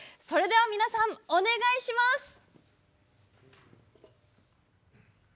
それでは皆さん、お願いします。